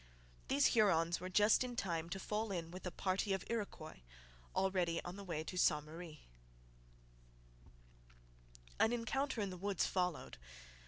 These Hurons were just in time to fall in with a party of Iroquois, already on the way to Ste Marie. An encounter in the woods followed.